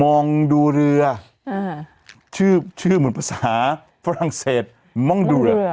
มองดูเรือชื่อชื่อเหมือนภาษาฝรั่งเศสม่องดูเลย